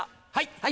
はい！